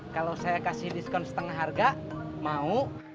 kalau saya kasih diskon setengah harga mau